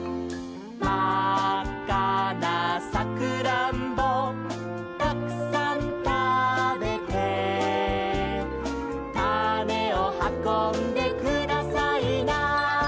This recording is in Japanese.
「まっかなサクランボたくさんたべて」「たねをはこんでくださいな」